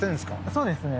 そうですね。